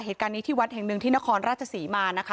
เหตุการณ์นี้ที่วัดแห่งหนึ่งที่นครราชศรีมานะคะ